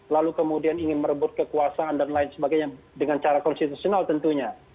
lalu kemudian ingin merebut kekuasaan dan lain sebagainya dengan cara konstitusional tentunya